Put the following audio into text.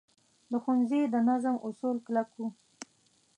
د ښوونځي د نظم اصول کلک وو.